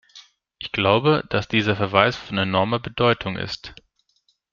Ich glaube, dass dieser Verweis von enormer Bedeutung ist.